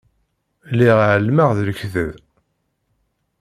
Lliɣ ɛelmeɣ d lekdeb.